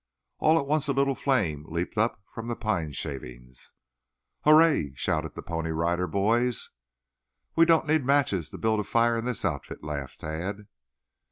All at once a little flame leaped up from the pine shavings. "Hooray!" shouted the Pony Rider Boys. "We don't need matches to build a fire in this outfit," laughed Tad.